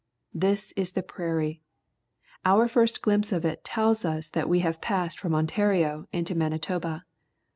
This is the prairie. Our first glimpse of it tells us that we have passed from Ontario into Manitoba.